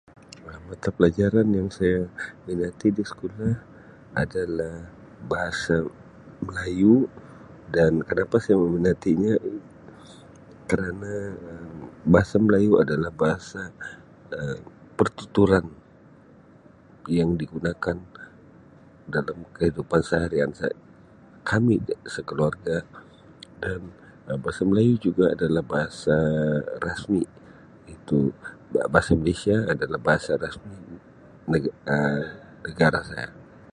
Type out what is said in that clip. Um Mata pelajaran yang saya minati di sekolah adalah Bahasa Melayu dan kenapa saya meminatinya kerana Um Bahasa Melayu adalah bahasa Um pertuturan yang digunakan dalam kehidupan seharian se-kami sekeluarga dan Um Bahasa Melayu juga adalah bahasa rasmi ne[Um] negara saya.